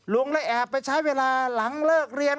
ลุงเลยแอบไปใช้เวลาหลังเลิกเรียน